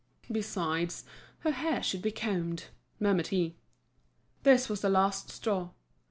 "Besides, her hair should be combed," murmured he. This was the last straw.